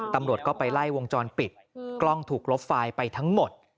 ตำรวจก็ไปไล่วงจรปิดกล้องถูกลบไฟล์ไปทั้งหมด